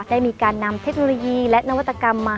ได้มีการนำเทคโนโลยีและนวัตกรรมมา